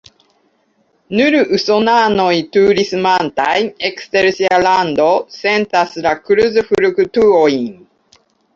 Nur usonanoj turismantaj ekster sia lando sentas la kurzfluktuojn.